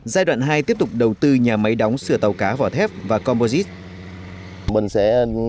giai đoạn hai tiếp tục đầu tư nhà máy đóng sửa tàu cá vỏ thép và composite